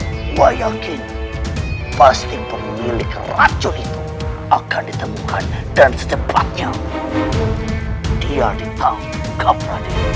dia yakin pasti pemilik racun itu akan ditemukan dan secepatnya dia ditangkap